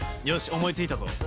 よし思いついたぞ。